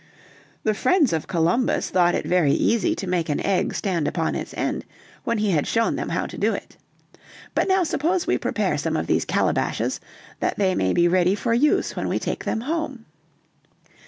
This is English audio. "The friends of Columbus thought it very easy to make an egg stand upon its end when he had shown them how to do it. But now suppose we prepare some of these calabashes, that they may be ready for use when we take them home."